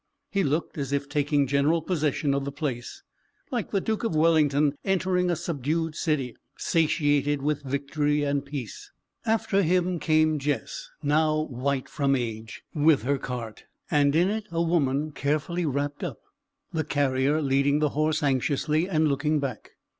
He looked as if taking general possession of the place; like the Duke of Wellington entering a subdued city, satiated with victory and peace. After him came Jess, now white from age, with her cart; and in it a woman, carefully wrapped up the carrier leading the horse anxiously, and looking back.